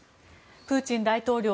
プーチン大統領